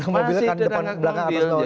masih tetangga mobil